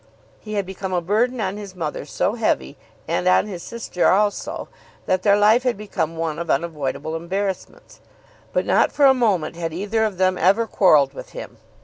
He had become a burden on his mother so heavy, and on his sister also, that their life had become one of unavoidable embarrassments. But not for a moment had either of them ever quarrelled with him.